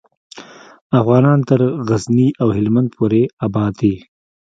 افغانان تر غزني او هیلمند پورې آباد دي.